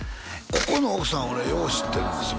ここの奥さん俺よう知ってるんですよ